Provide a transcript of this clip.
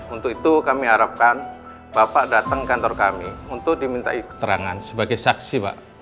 untuk itu kami harapkan bapak datang ke kantor kami untuk dimintai keterangan sebagai saksi